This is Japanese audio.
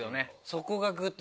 そこがグッと。